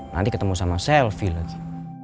nanti ketemu sama selfie lagi